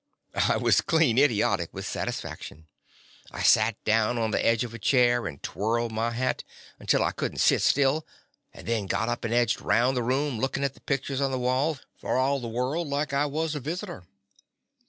I was clean idiotic with satisfaction. I sat down on the edge of a chair and twirled my hat until I could n't sit still, and then got up and edged round the room lookin' at the pictures on the wall, for all the world like I was a " Edith L. The Confessions of a Daddy visitor.